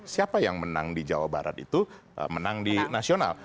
siapa yang menang di jawa barat itu menang di nasional